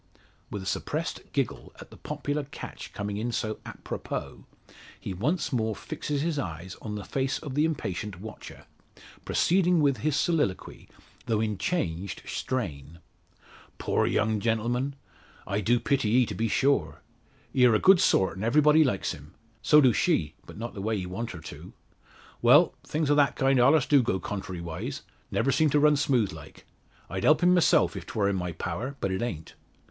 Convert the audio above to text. With a suppressed giggle at the popular catch coming in so apropos, he once more fixes his eyes on the face of the impatient watcher, proceeding with his soliloquy, though in changed strain: "Poor young gentleman! I do pity he to be sure. He are a good sort, an' everybody likes him. So do she, but not the way he want her to. Well; things o' that kind allers do go contrary wise never seem to run smooth like. I'd help him myself if 'twar in my power, but it ain't.